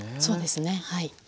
そうですねはい。